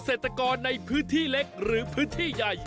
เศรษฐกรในพื้นที่เล็กหรือพื้นที่ใหญ่